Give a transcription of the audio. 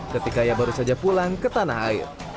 ketika ia baru saja pulang ke tanah air